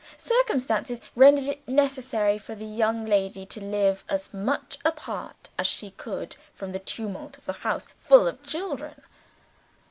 Circumstances rendered it necessary for the young lady to live as much apart as she could from the tumult of a houseful of children.